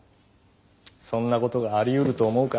そんなことがありうると思うか？